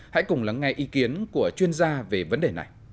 hãy cùng lắng nghe ý kiến của chuyên gia về vấn đề này